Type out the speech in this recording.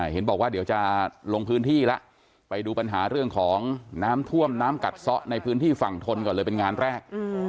เห็นบอกว่าเดี๋ยวจะลงพื้นที่แล้วไปดูปัญหาเรื่องของน้ำท่วมน้ำกัดซะในพื้นที่ฝั่งทนก่อนเลยเป็นงานแรก